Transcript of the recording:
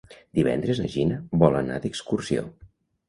Divendres na Gina vol anar d'excursió.